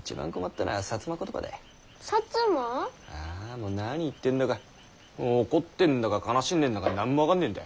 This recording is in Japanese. もう何言ってんだか怒ってんだか悲しんでんだか何も分かんねぇんだ。